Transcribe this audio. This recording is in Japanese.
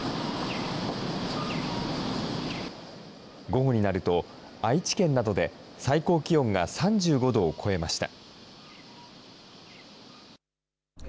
午後になると、愛知県などで最高気温が３５度を超えました。